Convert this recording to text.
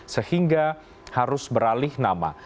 sehingga harus beralih nama